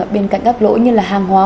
bên cạnh các lỗi như là hàng hóa